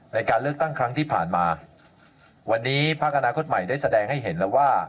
ในการเลือกตั้งครั้งที่ผ่านมาวันนี้ภาคอนาคตใหม่ได้แสดงให้เห็นแล้วว่า